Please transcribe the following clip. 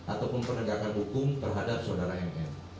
ataupun penegakan hukum terhadap saudara mn